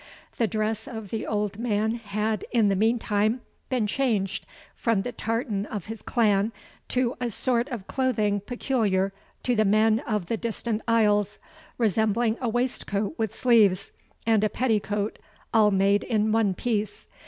The dress of the old man had, in the meantime, been changed from the tartan of his clan to a sort of clothing peculiar to the men of the distant Isles, resembling a waistcoat with sleeves, and a petticoat, all made in one piece.